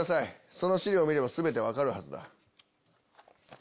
その資料を見れば全て分かるはずだ。